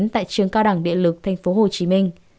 tại trường cao đẳng địa lực tp hcm